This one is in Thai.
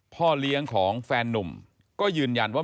พ่อเลี้ยงของแฟนนุ่มก็ยืนยันว่า